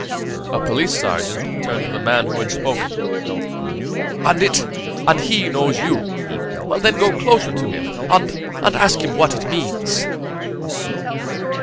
A police sergeant turned to the man who had spoken. "And it he knows you? Then go closer to him, and and ask him what it means."